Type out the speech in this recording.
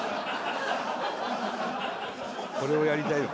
これをやりたいの？